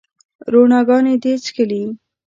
روڼاګاني دي چیښلې